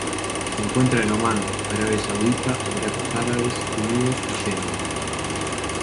Se encuentra en Omán, Arabia Saudita, Emiratos Árabes Unidos y Yemen.